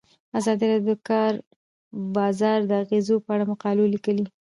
ازادي راډیو د د کار بازار د اغیزو په اړه مقالو لیکلي.